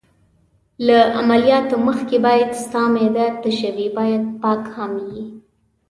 له عملیاتو مخکې باید ستا معده تشه وي، باید پاک هم یې.